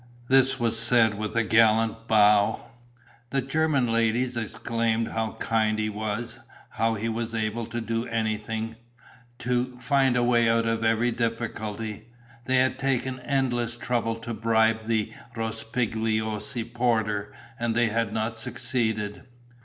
This was said with a gallant bow. The German ladies exclaimed how kind he was, how he was able to do anything, to find a way out of every difficulty. They had taken endless trouble to bribe the Rospigliosi porter and they had not succeeded.